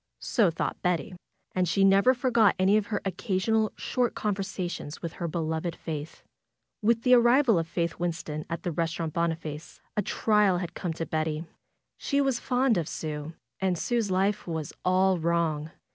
So thought Betty. And she never forgot any of her occasional short conversations with her beloved Faith. With the arrival of Faith Winston at the Restaurant Boniface a trial had come to Betty. She was fond of Sue, and Sue's life was all wrong.